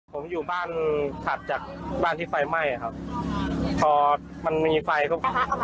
ผมอยู่บ้านถัดจากบ้านที่ไฟไหม้ครับพอมันมีไฟปุ๊บ